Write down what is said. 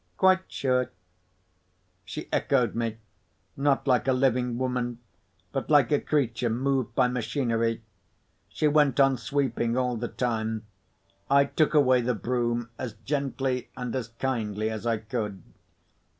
"Quite sure." She echoed me, not like a living woman, but like a creature moved by machinery. She went on sweeping all the time. I took away the broom as gently and as kindly as I could.